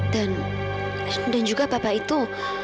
dan dan juga papa itu